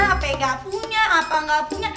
apa yang gak punya apa yang gak punya